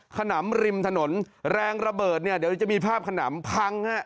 ขนำริมถนนแรงระเบิดเนี่ยเดี๋ยวจะมีภาพขนำพังฮะ